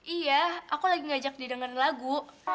iya aku lagi ngajak dia dengerin lagu